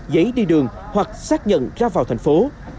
giấy đi đường hoặc xác nhận ra vào thành phố